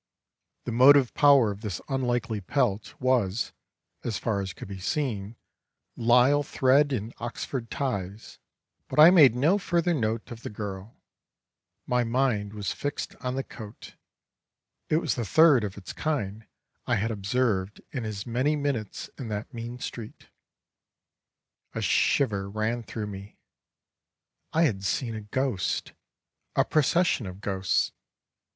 The motive power of this unlikely pelt was (as far as could be seen) lisle thread and oxford ties but I made no further note of the girl; my mind was fixed on the coat—it was the third of its kind I had observed in as many minutes in that mean street. A shiver ran through me; I had seen a ghost, a procession of ghosts.